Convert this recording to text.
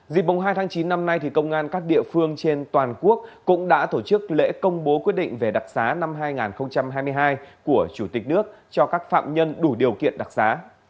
dịp mùng hai tháng chín năm nay công an các địa phương trên toàn quốc cũng đã tổ chức lễ công bố quyết định về đặc xá năm hai nghìn hai mươi hai của chủ tịch nước cho các phạm nhân đủ điều kiện đặc giá